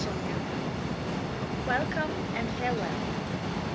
203 WELCOME AND FAREWELL.